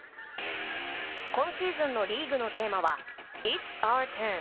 今シーズンのリーグのテーマは「Ｉｔ’ｓｏｕｒｔｕｒｎ！」